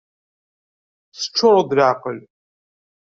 Teččureḍ d leεqel!